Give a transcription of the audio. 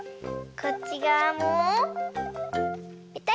こっちがわもぺたり。